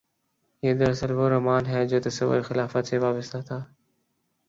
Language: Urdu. یہ دراصل وہ رومان ہے جو تصور خلافت سے وابستہ تھا۔